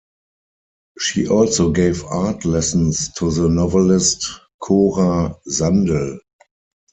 She also gave art lessons to the novelist Cora Sandel.